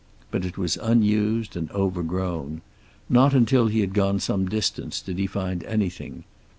But it was unused and overgrown. Not until he had gone some distance did he find anything.